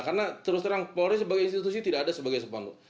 karena terus terang polri sebagai institusi tidak ada sebagai sponsor